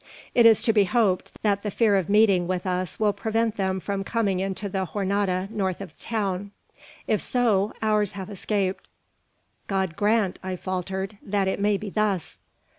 It is to be hoped that the fear of meeting with us will prevent them from coming into the Jornada north of the town. If so, ours have escaped." "God grant," I faltered, "that it may be thus!"